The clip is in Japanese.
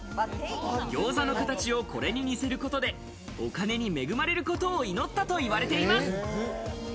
餃子の形をこれ似せることでお金に恵まれることを祈ったといわれています。